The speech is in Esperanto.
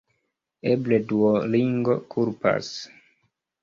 Eble Duolingo kulpas.